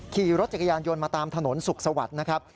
ขี่รถจักรยานยนต์มาตามถนนสุขสวัสดิ์นะครับ